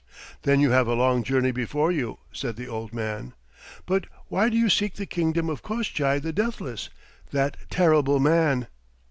"Then you have a long journey before you," said the old man. "But why do you seek the kingdom of Koshchei the Deathless, that terrible man?"